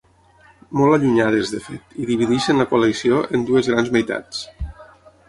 Molt allunyades, de fet, i divideixen la coalició en dues grans meitats.